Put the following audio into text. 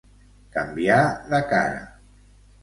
Canviar de cara.